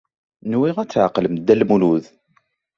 Nwiɣ ad tɛeqlem Dda Lmulud.